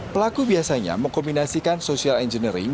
pelaku biasanya mengkombinasikan social engineering